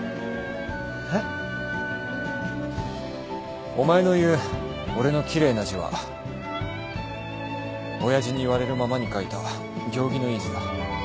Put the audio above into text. えっ？お前の言う俺の奇麗な字は親父に言われるままに書いた行儀のいい字だ。